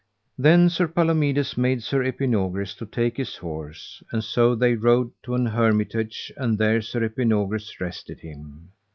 Then Sir Palomides made Sir Epinogris to take his horse, and so they rode to an hermitage, and there Sir Epinogris rested him.